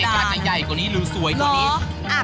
ถ้ามีโอกาสพิเศษการใหญ่กว่านี้หรือสวยกว่านี้